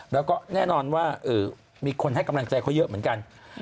แล้วก็แน่นอนว่ามีคนให้กำลังใจเขาเยอะเหมือนกัน